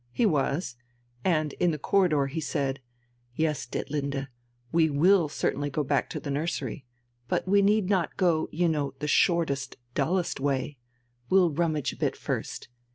He was; and in the corridor he said: "Yes, Ditlinde, we will certainly go back to the nursery, but we need not go, you know, the shortest, dullest way. We'll rummage a bit first.